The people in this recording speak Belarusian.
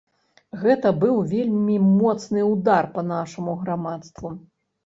Гэта быў вельмі моцны ўдар па нашаму грамадству.